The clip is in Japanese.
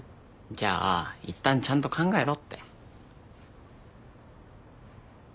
じゃあいったんちゃんと考えろって。